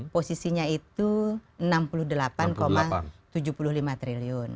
posisinya itu rp enam puluh delapan tujuh puluh lima triliun